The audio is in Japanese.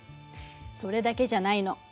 それだけじゃないの。